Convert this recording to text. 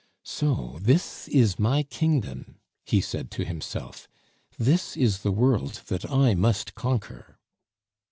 "So this is my kingdom," he said to himself; "this is the world that I must conquer."